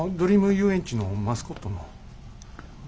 遊園地のマスコットの。